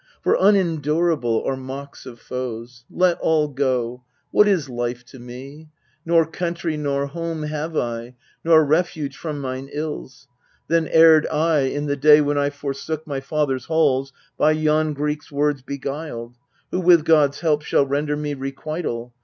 For unendurable are mocks of foes. Let all go : what is life to me ? Nor country Nor home have I, nor refuge from mine ills. Then erred I, in the day when I forsook Mv father's halls, by yon Greek's words beguiled, Who with God's help shall render me requital.